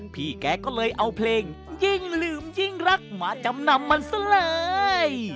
พี่แกก็เลยเอาเพลงยิ่งลืมยิ่งรักมาจำนำมันซะเลย